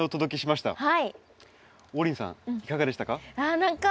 王林さんいかがでしたか？